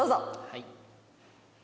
はい。